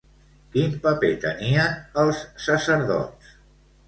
Quin paper tenien els sacerdots?